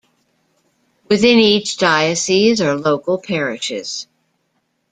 Within each diocese are local parishes.